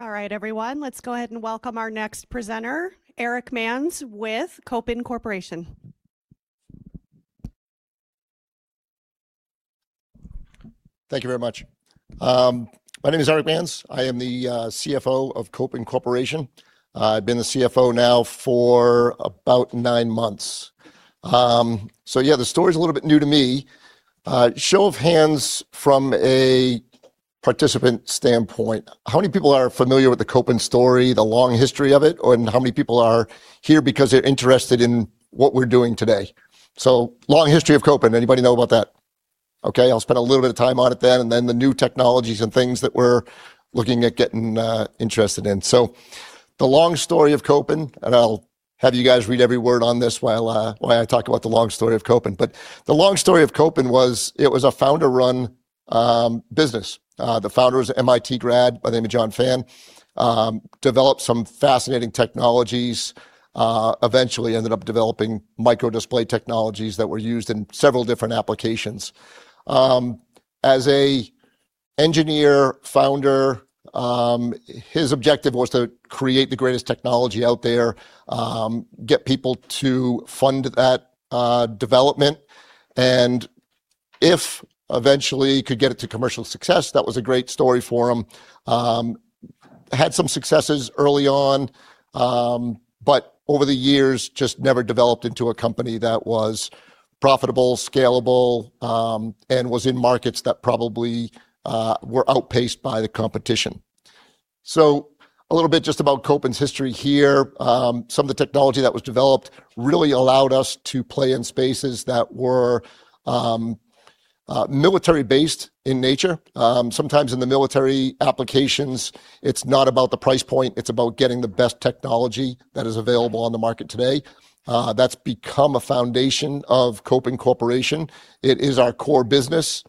All right, everyone. Let's go ahead and welcome our next presenter, Erich Manz with Kopin Corporation. Thank you very much. My name is Erich Manz. I am the CFO of Kopin Corporation. I've been the CFO now for about nine months. Yeah, the story's a little bit new to me. Show of hands from a participant standpoint, how many people are familiar with the Kopin story, the long history of it, and how many people are here because they're interested in what we're doing today? Long history of Kopin. Anybody know about that? Okay, I'll spend a little bit of time on it then, and then the new technologies and things that we're looking at getting interested in. The long story of Kopin, and I'll have you guys read every word on this while I talk about the long story of Kopin. The long story of Kopin was it was a founder-run business. The founder was an MIT grad by the name of John Fan. Developed some fascinating technologies, eventually ended up developing microdisplay technologies that were used in several different applications. As an engineer-founder, his objective was to create the greatest technology out there, get people to fund that development, and if eventually he could get it to commercial success, that was a great story for him. Had some successes early on, but over the years, just never developed into a company that was profitable, scalable, and was in markets that probably were outpaced by the competition. A little bit just about Kopin's history here. Some of the technology that was developed really allowed us to play in spaces that were military-based in nature. Sometimes in the military applications, it's not about the price point, it's about getting the best technology that is available on the market today. That's become a foundation of Kopin Corporation. It is our core business.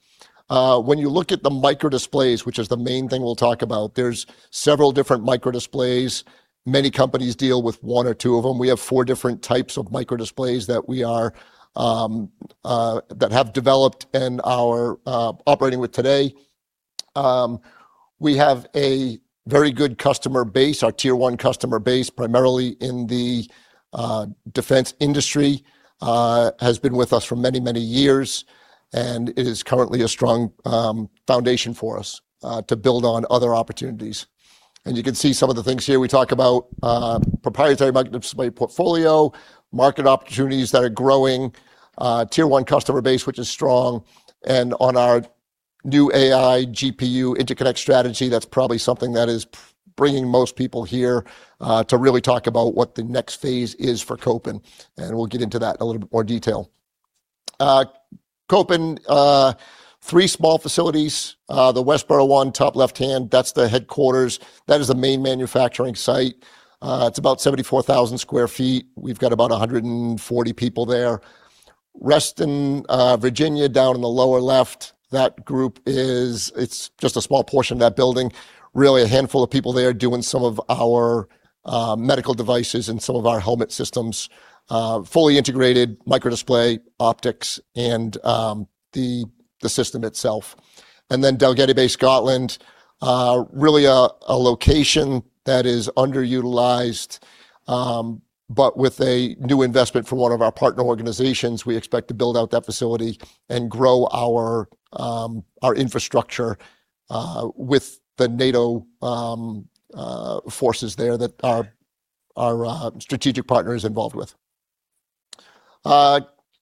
When you look at the microdisplays, which is the main thing we'll talk about, there are several different microdisplays. Many companies deal with one or two of them. We have 4 different types of microdisplays that have developed and are operating with today. We have a very good customer base. Our tier 1 customer base, primarily in the defense industry, has been with us for many, many years and is currently a strong foundation for us to build on other opportunities. You can see some of the things here. We talk about proprietary microdisplay portfolio, market opportunities that are growing, tier 1 customer base, which is strong, and on our new AI GPU interconnect strategy, that's probably something that is bringing most people here to really talk about what the next phase is for Kopin, and we'll get into that in a little bit more detail. Kopin, three small facilities. The Westborough one, top left-hand, that's the headquarters. That is the main manufacturing site. It's about 74,000 sq ft. We've got about 140 people there. Reston, Virginia, down in the lower left, that group is just a small portion of that building. Really a handful of people there doing some of our medical devices and some of our helmet systems, fully integrated microdisplay optics and the system itself. Dalgety Bay, Scotland, really a location that is underutilized, but with a new investment from one of our partner organizations, we expect to build out that facility and grow our infrastructure with the NATO forces there that our strategic partner is involved with.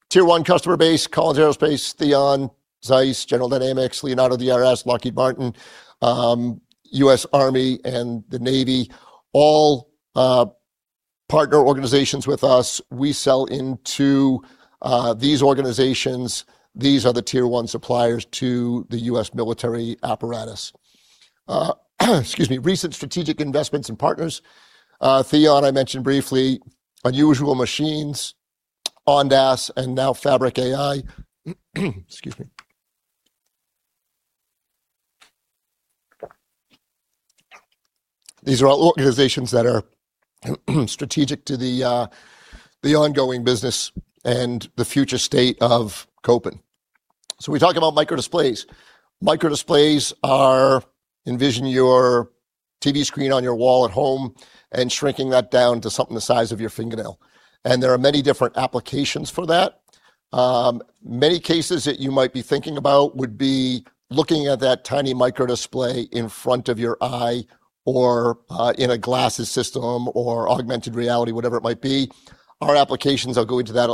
Tier 1 customer base, Collins Aerospace, Theon, Zeiss, General Dynamics, Leonardo DRS, Lockheed Martin, U.S. Army and the Navy, all partner organizations with us. We sell into these organizations. These are the tier 1 suppliers to the U.S. military apparatus. Excuse me. Recent strategic investments and partners. Theon, I mentioned briefly. Unusual Machines, Andes, and now Fabric AI. Excuse me. These are all organizations that are strategic to the ongoing business and the future state of Kopin. We talk about microdisplays. Microdisplays are envision your TV screen on your wall at home and shrinking that down to something the size of your fingernail, and there are many different applications for that. Many cases that you might be thinking about would be looking at that tiny microdisplay in front of your eye or in a glasses system or augmented reality, whatever it might be. Our applications, I'll go into that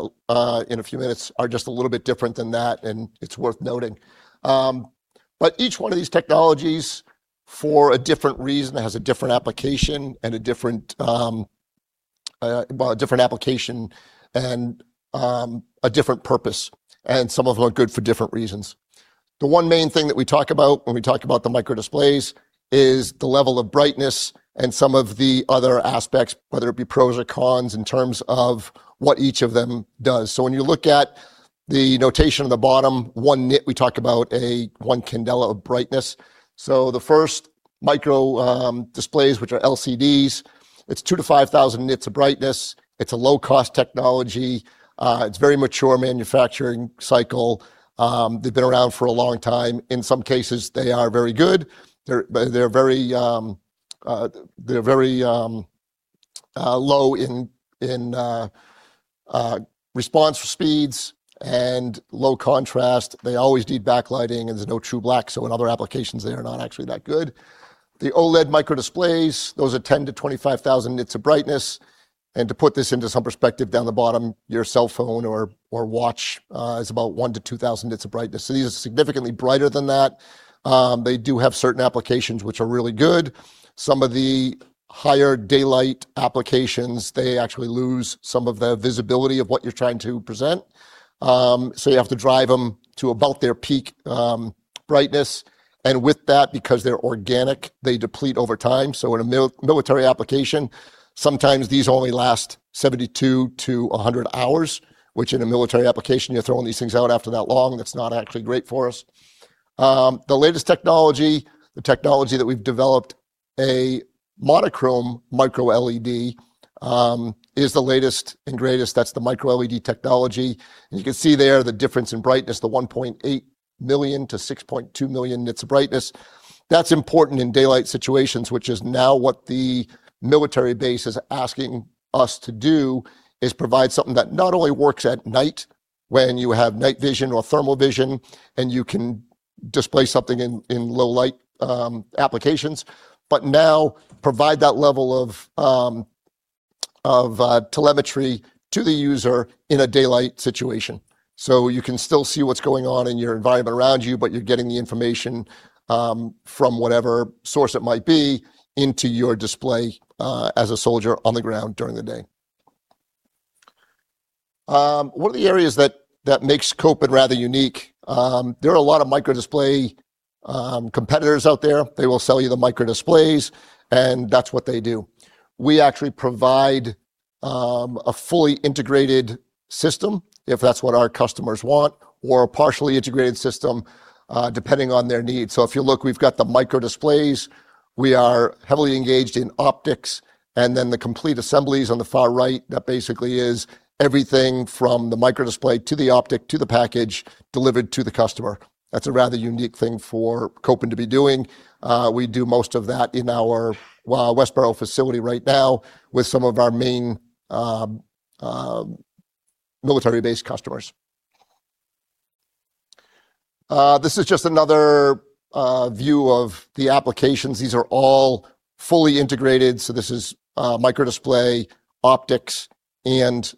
in a few minutes, are just a little bit different than that, and it's worth noting. Each one of these technologies, for a different reason, has a different application and a different purpose, and some of them are good for different reasons. The one main thing that we talk about when we talk about the microdisplays is the level of brightness and some of the other aspects, whether it be pros or cons, in terms of what each of them does. When you look at the notation on the bottom, one nit, we talk about a one candela of brightness. The first microdisplays, which are LCDs. It's 2,000-5,000 nits of brightness. It's a low-cost technology. It's very mature manufacturing cycle. They've been around for a long time. In some cases, they are very good. They're very low in response speeds and low contrast. They always need backlighting, and there's no true black. In other applications, they are not actually that good. The OLED microdisplays, those are 10,000-25,000 nits of brightness. To put this into some perspective, down the bottom, your cell phone or watch is about 1,000-2,000 nits of brightness. These are significantly brighter than that. They do have certain applications which are really good. Some of the higher daylight applications, they actually lose some of the visibility of what you're trying to present. You have to drive them to about their peak brightness. With that, because they're organic, they deplete over time. In a military application, sometimes these only last 72-100 hours, which in a military application, you're throwing these things out after that long. It's not actually great for us. The latest technology, the technology that we've developed, a monochrome MicroLED, is the latest and greatest. That's the MicroLED technology. You can see there the difference in brightness, the 1.8 million-6.2 million nits of brightness. That's important in daylight situations, which is now what the military base is asking us to do, is provide something that not only works at night when you have night vision or thermal vision and you can display something in low-light applications, but now provide that level of telemetry to the user in a daylight situation. You can still see what's going on in your environment around you, but you're getting the information from whatever source it might be into your display as a soldier on the ground during the day. One of the areas that makes Kopin rather unique, there are a lot of microdisplay competitors out there. They will sell you the microdisplays, and that's what they do. We actually provide a fully integrated system, if that's what our customers want, or a partially integrated system, depending on their needs. If you look, we've got the microdisplays. We are heavily engaged in optics. The complete assemblies on the far right, that basically is everything from the microdisplay to the optic to the package delivered to the customer. That's a rather unique thing for Kopin to be doing. We do most of that in our Westborough facility right now with some of our main military-based customers. This is just another view of the applications. These are all fully integrated. This is microdisplay, optics, and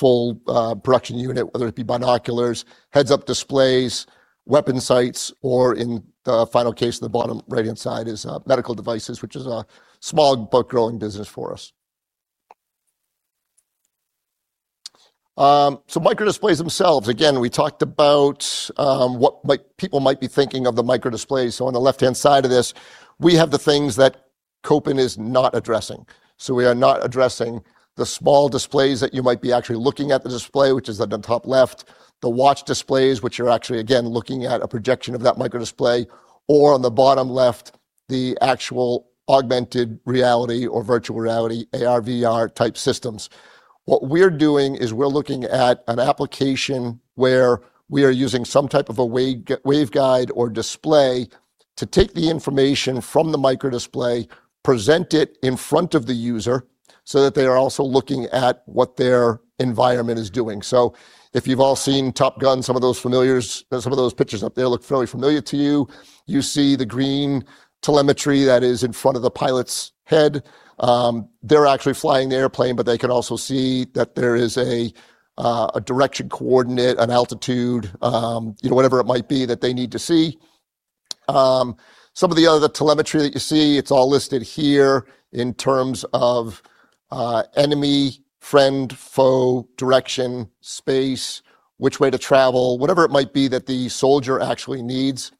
full production unit, whether it be binoculars, heads-up displays, weapon sights, or in the final case, the bottom right-hand side is medical devices, which is a small but growing business for us. Microdisplays themselves. Again, we talked about what people might be thinking of the microdisplays. On the left-hand side of this, we have the things that Kopin is not addressing. We are not addressing the small displays that you might be actually looking at the display, which is at the top left, the watch displays, which you're actually, again, looking at a projection of that microdisplay, or on the bottom left, the actual augmented reality or virtual reality, AR/VR-type systems. What we're doing is we're looking at an application where we are using some type of a waveguide or display to take the information from the microdisplay, present it in front of the user so that they are also looking at what their environment is doing. If you've all seen "Top Gun," some of those pictures up there look fairly familiar to you. You see the green telemetry that is in front of the pilot's head. They're actually flying the airplane, but they can also see that there is a direction coordinate, an altitude, whatever it might be that they need to see. Some of the other telemetry that you see, it's all listed here in terms of enemy, friend, foe, direction, space, which way to travel, whatever it might be that the soldier actually needs.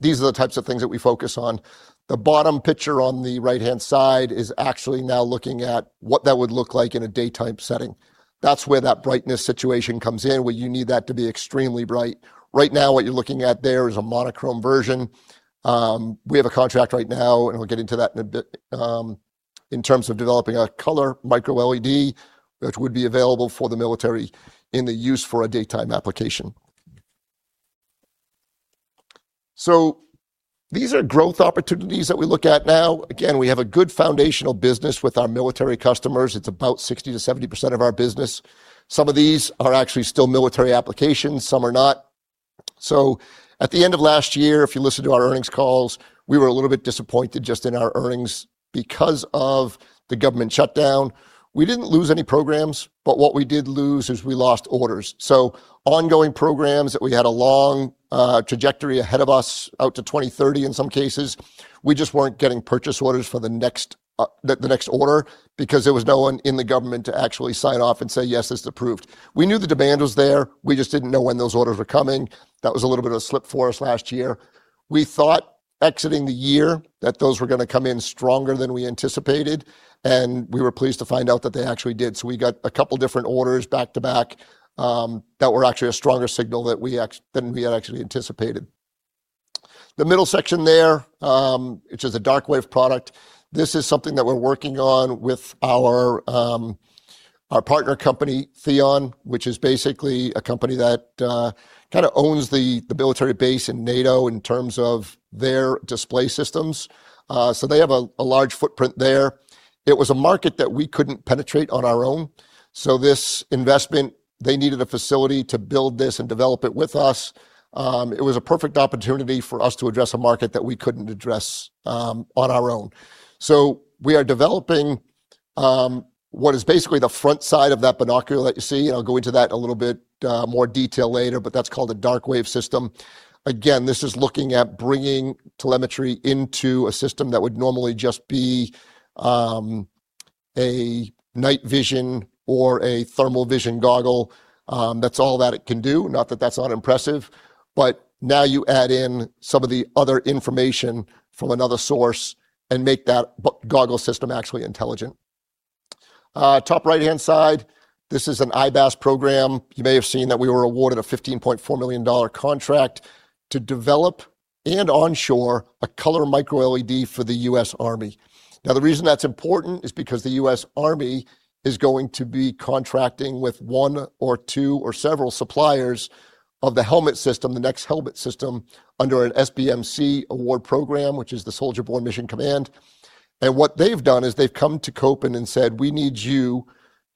These are the types of things that we focus on. The bottom picture on the right-hand side is actually now looking at what that would look like in a daytime setting. That's where that brightness situation comes in, where you need that to be extremely bright. Right now, what you're looking at there is a monochrome version. We have a contract right now, and we'll get into that in a bit, in terms of developing a color MicroLED that would be available for the military in the use for a daytime application. These are growth opportunities that we look at now. Again, we have a good foundational business with our military customers. It's about 60%-70% of our business. Some of these are actually still military applications, some are not. At the end of last year, if you listen to our earnings calls, we were a little bit disappointed just in our earnings because of the government shutdown. We didn't lose any programs, but what we did lose is we lost orders. Ongoing programs that we had a long trajectory ahead of us out to 2030 in some cases, we just weren't getting purchase orders for the next order because there was no one in the government to actually sign off and say, "Yes, this is approved." We knew the demand was there. We just didn't know when those orders were coming. That was a little bit of slip for us last year. We thought exiting the year that those were going to come in stronger than we anticipated, and we were pleased to find out that they actually did. We got a couple of different orders back-to-back that were actually a stronger signal than we had actually anticipated. The middle section there, which is a DarkWAVE product. This is something that we're working on with our partner company, Theon, which is basically a company that kind of owns the military base in NATO in terms of their display systems. They have a large footprint there. It was a market that we couldn't penetrate on our own. This investment, they needed a facility to build this and develop it with us. It was a perfect opportunity for us to address a market that we couldn't address on our own. We are developing what is basically the front side of that binocular that you see. I'll go into that in a little bit more detail later, but that's called a DarkWAVE system. Again, this is looking at bringing telemetry into a system that would normally just be a night vision or a thermal vision goggle. That's all that it can do. Not that that's not impressive, now you add in some of the other information from another source and make that goggle system actually intelligent. Top right-hand side, this is an IBAS program. You may have seen that we were awarded a $15.4 million contract to develop and onshore a color MicroLED for the U.S. Army. The reason that's important is because the U.S. Army is going to be contracting with one or two or several suppliers of the helmet system, the next helmet system under an SBMC award program, which is the Soldier Borne Mission Command. What they've done is they've come to Kopin and said, "We need you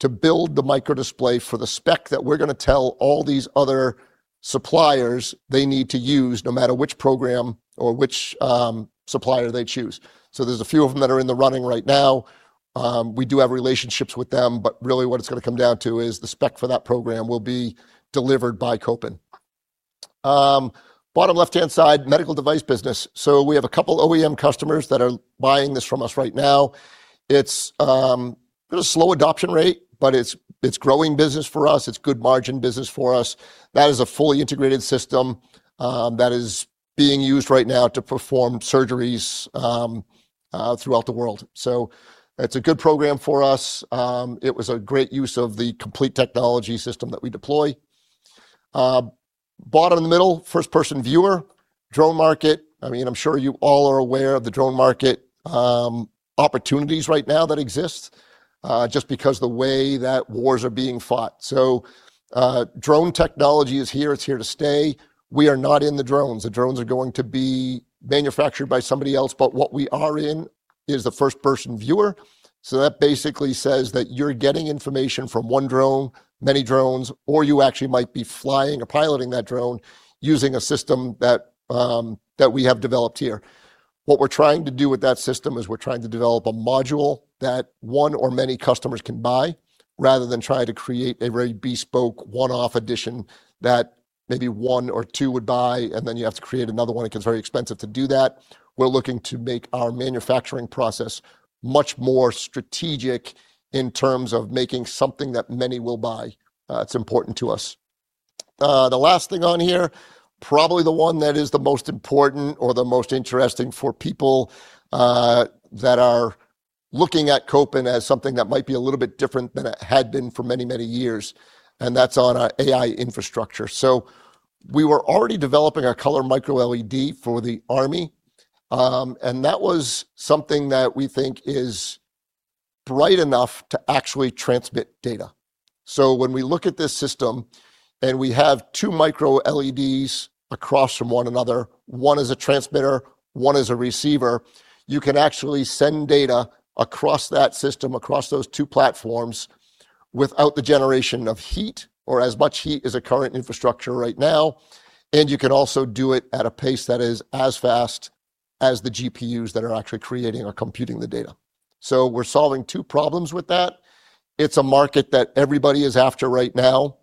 to build the microdisplay for the spec that we're going to tell all these other suppliers they need to use, no matter which program or which supplier they choose." There's a few of them that are in the running right now. We do have relationships with them, but really what it's going to come down to is the spec for that program will be delivered by Kopin. Bottom left-hand side, medical device business. We have a couple OEM customers that are buying this from us right now. It's been a slow adoption rate, but it's growing business for us. It's good margin business for us. That is a fully integrated system that is being used right now to perform surgeries throughout the world. It's a good program for us. It was a great use of the complete technology system that we deploy. Bottom middle, first-person viewer, drone market. I'm sure you all are aware of the drone market opportunities right now that exist, just because the way that wars are being fought. Drone technology is here, it's here to stay. We are not in the drones. The drones are going to be manufactured by somebody else. What we are in is the first-person viewer. That basically says that you're getting information from one drone, many drones, or you actually might be flying or piloting that drone using a system that we have developed here. What we're trying to do with that system is we're trying to develop a module that one or many customers can buy, rather than try to create a very bespoke one-off edition that maybe one or two would buy, and then you have to create another one. It gets very expensive to do that. We're looking to make our manufacturing process much more strategic in terms of making something that many will buy. It's important to us. The last thing on here, probably the one that is the most important or the most interesting for people that are looking at Kopin as something that might be a little bit different than it had been for many, many years, and that's on our AI infrastructure. We were already developing our color MicroLED for the Army, and that was something that we think is bright enough to actually transmit data. When we look at this system and we have two MicroLEDs across from one another, one is a transmitter, one is a receiver, you can actually send data across that system, across those two platforms without the generation of heat or as much heat as a current infrastructure right now. You can also do it at a pace that is as fast as the GPUs that are actually creating or computing the data. We're solving two problems with that. It's a market that everybody is after right now.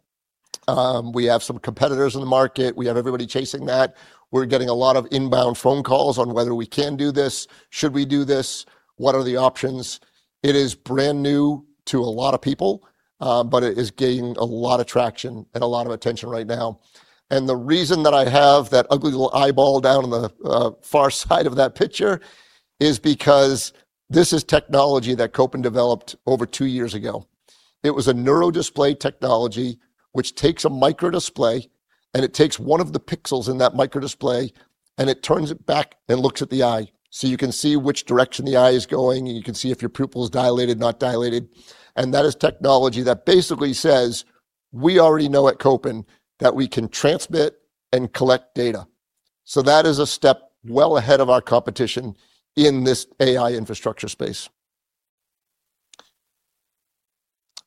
We have some competitors in the market. We have everybody chasing that. We're getting a lot of inbound phone calls on whether we can do this. Should we do this? What are the options? It is brand new to a lot of people, but it is gaining a lot of traction and a lot of attention right now. The reason that I have that ugly little eyeball down in the far side of that picture is because this is technology that Kopin developed over two years ago. It was a NeuralDisplay technology, which takes a microdisplay, and it takes one of the pixels in that microdisplay, and it turns it back and looks at the eye. You can see which direction the eye is going, and you can see if your pupil is dilated, not dilated. That is technology that basically says we already know at Kopin that we can transmit and collect data. That is a step well ahead of our competition in this AI infrastructure space.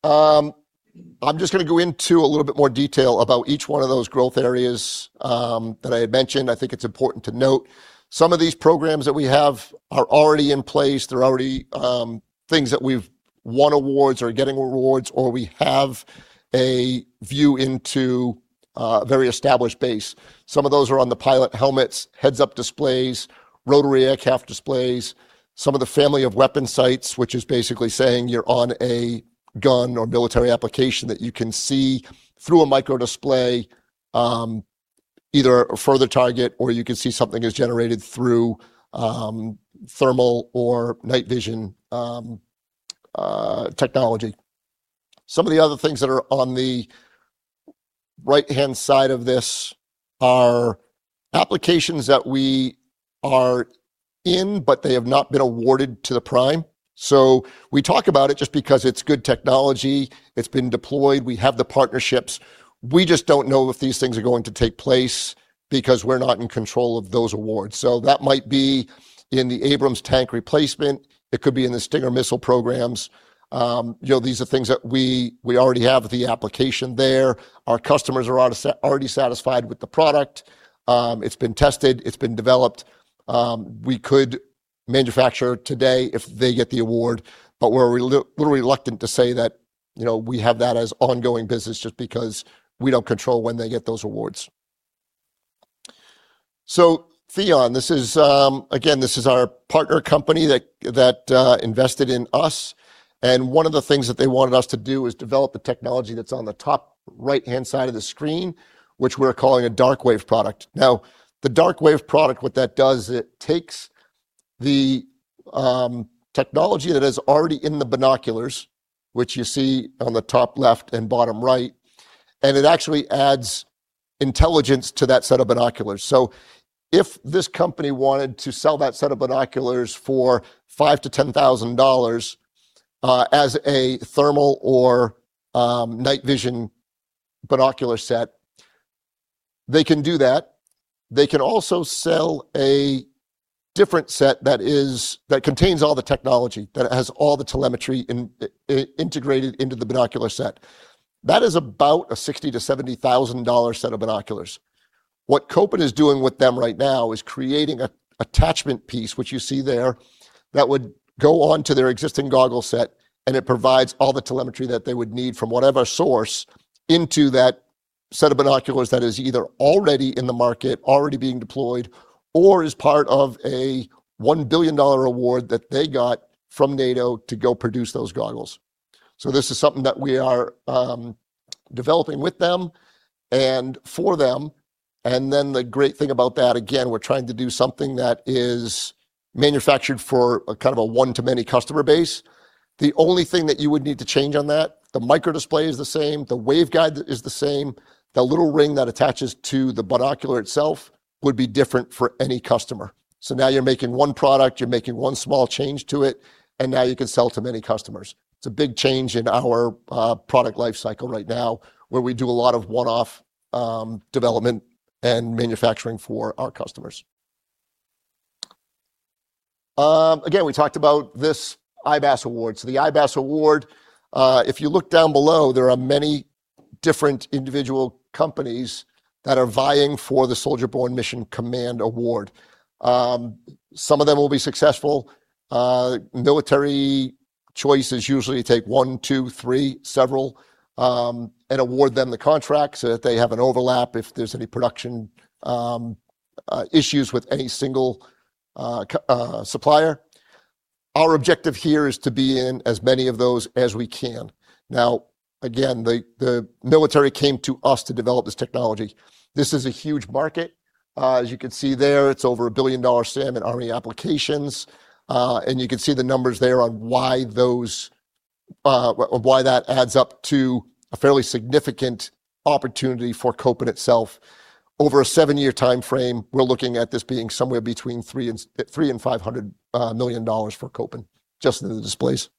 I'm just going to go into a little bit more detail about each one of those growth areas that I had mentioned. I think it's important to note some of these programs that we have are already in place. They're already things that we've won awards or are getting awards, or we have a view into a very established base. Some of those are on the pilot helmets, heads-up displays, rotary aircraft displays, some of the family of weapon sights, which is basically saying you're on a gun or military application that you can see through a microdisplay, either a further target, or you can see something is generated through thermal or night vision technology. Some of the other things that are on the right-hand side of this are applications that we are in, but they have not been awarded to the prime. We talk about it just because it's good technology, it's been deployed, we have the partnerships. We just don't know if these things are going to take place because we're not in control of those awards. That might be in the Abrams tank replacement, it could be in the Stinger missile programs. These are things that we already have the application there. Our customers are already satisfied with the product. It's been tested, it's been developed. We could manufacture today if they get the award, but we're a little reluctant to say that we have that as ongoing business just because we don't control when they get those awards. Theon, again, this is our partner company that invested in us, and one of the things that they wanted us to do is develop a technology that's on the top right-hand side of the screen, which we're calling a DarkWAVE product. The DarkWAVE product, what that does is it takes the technology that is already in the binoculars, which you see on the top left and bottom right, and it actually adds intelligence to that set of binoculars. If this company wanted to sell that set of binoculars for $5,000-$10,000 as a thermal or night vision binocular set, they can do that. They can also sell a different set that contains all the technology, that has all the telemetry integrated into the binocular set. That is about a $60,000-$70,000 set of binoculars. What Kopin is doing with them right now is creating an attachment piece, which you see there, that would go onto their existing goggle set, and it provides all the telemetry that they would need from whatever source into that set of binoculars that is either already in the market, already being deployed, or is part of a $1 billion award that they got from NATO to go produce those goggles. This is something that we are developing with them and for them. The great thing about that, again, we're trying to do something that is manufactured for a one to many customer base. The only thing that you would need to change on that, the microdisplay is the same, the waveguide is the same. The little ring that attaches to the binocular itself would be different for any customer. Now you're making one product, you're making one small change to it, and now you can sell to many customers. It's a big change in our product life cycle right now, where we do a lot of one-off development and manufacturing for our customers. Again, we talked about this IBAS award. The IBAS award, if you look down below, there are many different individual companies that are vying for the Soldier Borne Mission Command award. Some of them will be successful. Military choices usually take one, two, three, several, and award them the contract so that they have an overlap if there's any production issues with any single supplier. Our objective here is to be in as many of those as we can. Again, the military came to us to develop this technology. This is a huge market. As you can see there, it's over a billion-dollar SAM and Army applications. You can see the numbers there on why that adds up to a fairly significant opportunity for Kopin itself. Over a seven-year timeframe, we're looking at this being somewhere between $300 and $500 million for Kopin, just in the displays.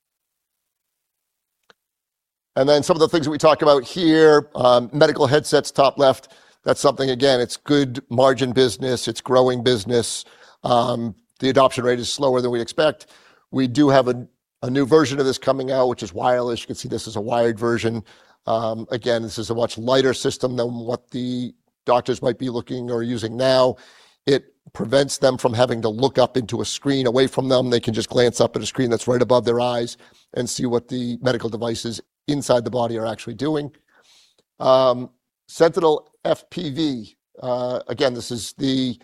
Some of the things that we talked about here, medical headsets, top left, that's something, again, it's good margin business. It's growing business. The adoption rate is slower than we expect. We do have a new version of this coming out, which is wireless. You can see this is a wired version. Again, this is a much lighter system than what the doctors might be looking or using now. It prevents them from having to look up into a screen away from them. They can just glance up at a screen that's right above their eyes and see what the medical devices inside the body are actually doing. Sentinel FPV, again, this is the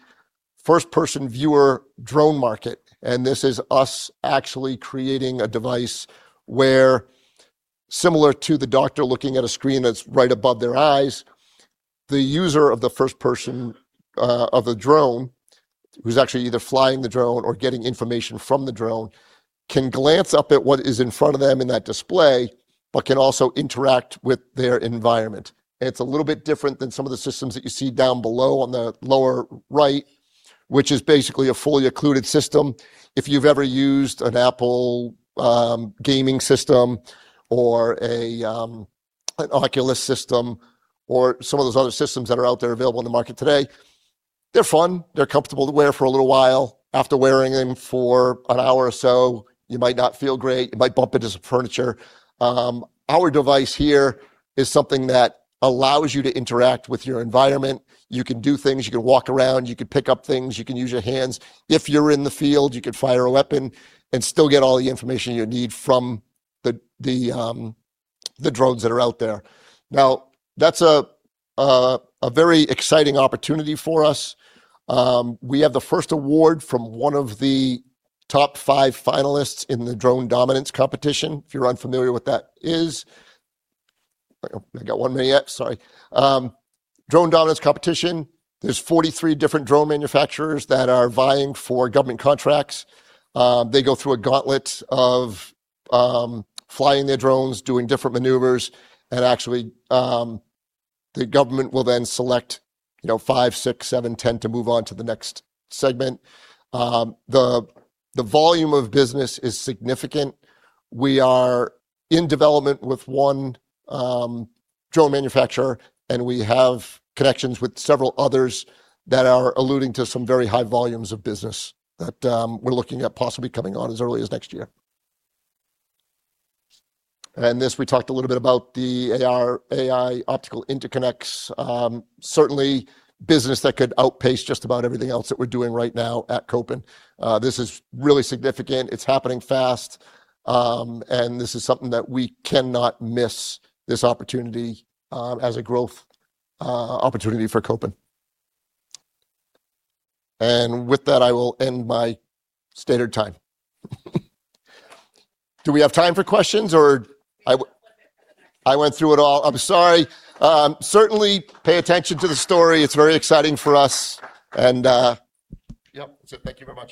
first-person viewer drone market, and this is us actually creating a device where similar to the doctor looking at a screen that's right above their eyes, the user of the first person of the drone, who's actually either flying the drone or getting information from the drone, can glance up at what is in front of them in that display, but can also interact with their environment. It's a little bit different than some of the systems that you see down below on the lower right, which is basically a fully occluded system. If you've ever used an Apple gaming system or an Oculus system or some of those other systems that are out there available in the market today, they're fun. They're comfortable to wear for a little while. After wearing them for an hour or so, you might not feel great. You might bump into some furniture. Our device here is something that allows you to interact with your environment. You can do things. You can walk around. You can pick up things. You can use your hands. If you're in the field, you could fire a weapon and still get all the information you need from the drones that are out there. That's a very exciting opportunity for us. We have the first award from one of the top five finalists in the Drone Dominance Competition. If you're unfamiliar with what that is, I got one minute yet, sorry. Drone Dominance Competition, there's 43 different drone manufacturers that are vying for government contracts. They go through a gauntlet of flying their drones, doing different maneuvers, actually, the government will then select five, six, seven, 10 to move on to the next segment. The volume of business is significant. We are in development with one drone manufacturer, and we have connections with several others that are alluding to some very high volumes of business that we're looking at possibly coming on as early as next year. We talked a little bit about the AR/AI optical interconnects. Certainly business that could outpace just about everything else that we're doing right now at Kopin. This is really significant. It's happening fast. This is something that we cannot miss this opportunity as a growth opportunity for Kopin. With that, I will end my stated time. Do we have time for questions, or I went through it all? I'm sorry. Certainly pay attention to the story. It's very exciting for us. That's it. Thank you very much.